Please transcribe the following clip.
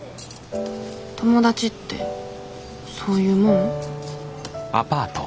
友達ってそういうもん？